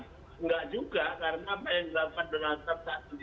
enggak juga karena apa yang donald trump katakan itu